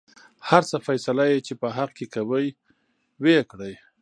هر څه فيصله يې چې په حق کې کوۍ وېې کړۍ.